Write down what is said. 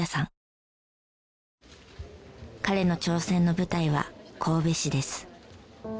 彼の挑戦の舞台は神戸市です。